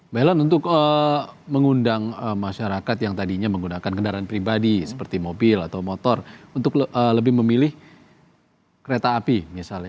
mbak ellen untuk mengundang masyarakat yang tadinya menggunakan kendaraan pribadi seperti mobil atau motor untuk lebih memilih kereta api misalnya